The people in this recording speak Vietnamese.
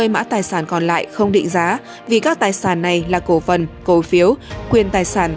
bốn trăm bốn mươi mã tài sản còn lại không định giá vì các tài sản này là cổ vần cổ phiếu quyền tài sản